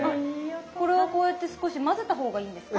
これはこうやって少し混ぜた方がいいんですか？